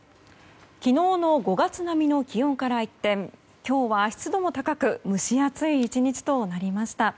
昨日の５月並みの気温から一転今日は湿度も高く蒸し暑い１日となりました。